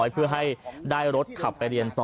เพื่อให้ได้รถขับไปเรียนต่อ